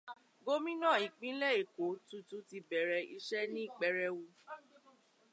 Gómìnà ìpínlẹ̀ Èkó tuntun ti bẹ̀rẹ̀ iṣẹ́ ní pẹrẹwu.